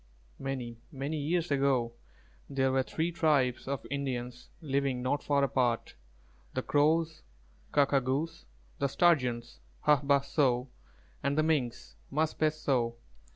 Many, many years ago there were three tribes of Indians living not far apart: the Crows, Kā kā gūs, the Sturgeons "Hā bāh so," and the Minks, "Mūs bes so."